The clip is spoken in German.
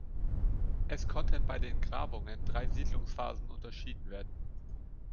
Es konnten bei den Grabungen drei Siedlungsphasen unterschieden werden.